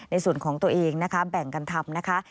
ในส่วนของตัวเองแบ่งกันทำ